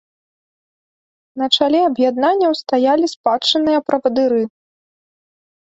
На чале аб'яднанняў стаялі спадчынныя правадыры.